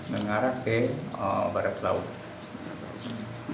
mengarah ke barat laut